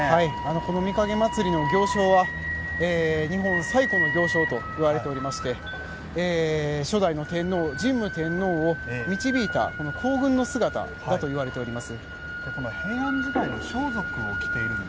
この御蔭祭は日本最古の行しょうといわれておりまして初代の天皇神武天皇を導いたこうぐんの姿だといわれております。